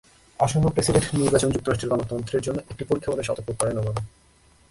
আসন্ন প্রেসিডেন্ট নির্বাচন যুক্তরাষ্ট্রের গণতন্ত্রের জন্য একটি পরীক্ষা বলে সতর্ক করেন ওবামা।